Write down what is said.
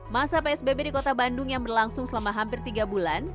masa psbb di kota bandung yang berlangsung selama hampir tiga bulan